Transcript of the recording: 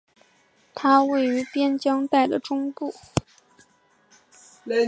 它位于边疆带的中部。